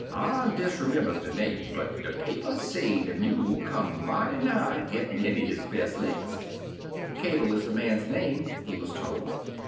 "I disre members de name, but de paper say de mule come mighty nigh gittin* in his bes' licks/* "Cadle is the man's name/* he was told.